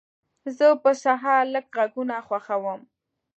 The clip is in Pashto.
زه په سهار لږ غږونه خوښوم.